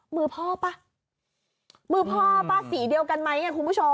มือพ่อป่ะมือพ่อป่ะสีเดียวกันไหมคุณผู้ชม